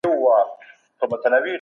یو څو شپې یې کورته هیڅ نه وه ور وړي